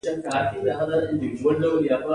هغې د ښایسته اوازونو ترڅنګ د زړونو ټپونه آرام کړل.